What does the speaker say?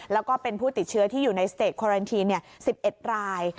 แล้วก็เป็นผู้ติดเชื้อที่อยู่ในสเตจควาเรนทีน๑๑ราย